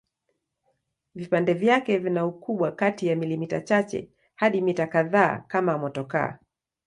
Vipande vyake vina ukubwa kati ya milimita chache hadi mita kadhaa kama motokaa.